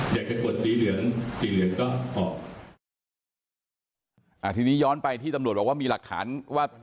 เด็กไปกดสีเหลืองสีเหลืองก็ออกอ่าทีนี้ย้อนไปที่ตำรวจบอกว่ามีหลักฐานว่า